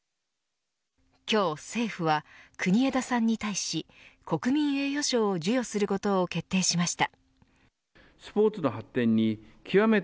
今日政府は、国枝さんに対し国民栄誉賞を授与することを決定しました。